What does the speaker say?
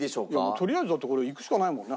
とりあえずだってこれいくしかないもんね。